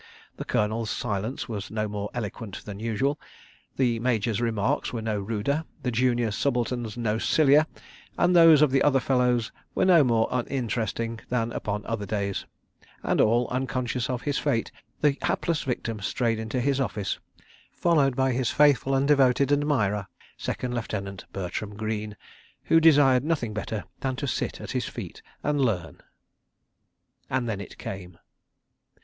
The Colonel's silence was no more eloquent than usual, the Major's remarks were no ruder, the Junior Subaltern's no sillier, and those of the other fellows were no more uninteresting than upon other days; and all unconscious of his fate the hapless victim strayed into his office, followed by his faithful and devoted admirer, Second Lieutenant Bertram Greene, who desired nothing better than to sit at his feet and learn. ... And then it came!